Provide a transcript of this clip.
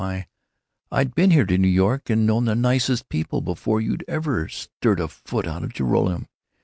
Why, I'd been to New York and known the nicest people before you'd ever stirred a foot out of Joralemon!